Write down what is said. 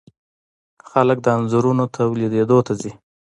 خلک د انځورونو لیدلو ته ځي.